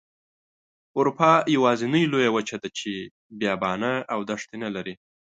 اروپا یوازینۍ لویه وچه ده چې بیابانه او دښتې نلري.